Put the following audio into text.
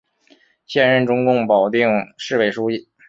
现任中共保定市委书记。